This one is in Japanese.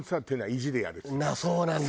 そうなんだ。